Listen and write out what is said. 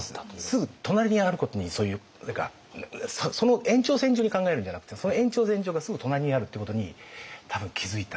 すぐ隣にあることにそういう何かその延長線上に考えるんじゃなくてその延長線上がすぐ隣にあるってことに多分気づいたんじゃないか